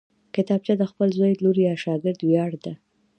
کتابچه د خپل زوی، لور یا شاګرد ویاړ ده